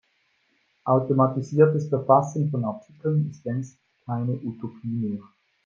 Automatisiertes Verfassen von Artikeln ist längst keine Utopie mehr.